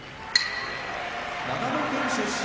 長野県出身